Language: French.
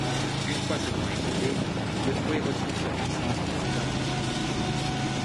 Une fois ce temps écoulé, le fouet retrouve sa puissance précédente.